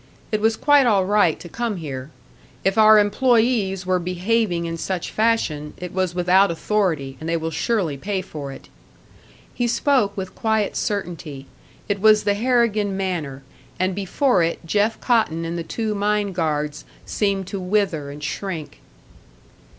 "It was quite all right to come here. If our employés were behaving in such fashion, it was without authority, and they will surely pay for it." He spoke with quiet certainty; it was the Harrigan manner, and before it Jeff Cotton and the two mine guards seemed to wither and shrink.